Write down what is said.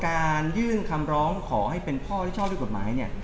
การยื่นคำร้องเขาคงพาการเป็นพ่อที่ชอบด้วยกฎหมาย